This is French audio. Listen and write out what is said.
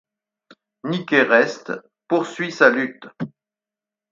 Niké reste poursuit sa lutte.